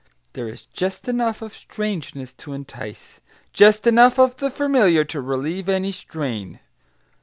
There is just enough of strangeness to entice, just enough of the familiar to relieve any strain.